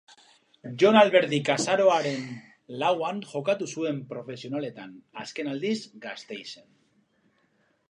Jon Alberdik azaroaren lauan jokatu zuen profesionaletan azken aldiz, Gasteizen.